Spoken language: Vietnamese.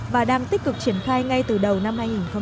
và đang tích cực triển khai ngay từ đầu năm hai nghìn một mươi bảy